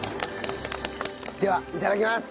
ではいただきます。